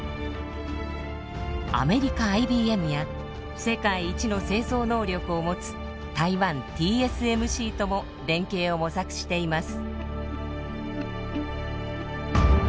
アメリカＩＢＭや世界一の製造能力を持つ台湾ＴＳＭＣとも連携を模索しています。